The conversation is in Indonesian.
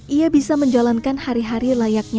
ia bisa menjalankan hari hari layaknya untuk dirinya